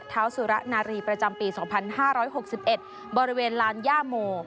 เท้าสุระนารีประจำปี๒๕๖๑บริเวณลานย่าโม